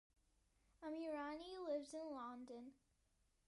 Amirani lives in London.